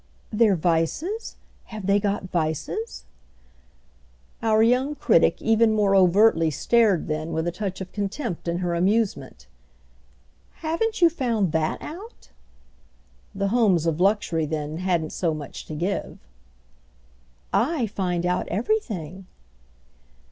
"Their vices? Have they got vices?" Our young critic even more overtly stared then with a touch of contempt in her amusement: "Haven't you found that out?" The homes of luxury then hadn't so much to give. "I find out everything."